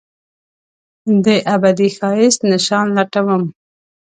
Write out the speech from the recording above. دابدي ښایست نشان لټوم